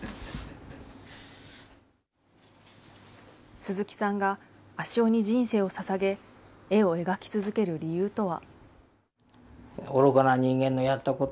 鈴木さんが足尾に人生をささげ、絵を描き続ける理由とは。